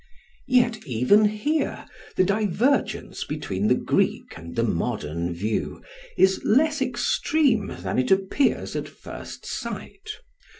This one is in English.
Yet even here the divergence between the Greek and the modern view is less extreme than it appears at first sight.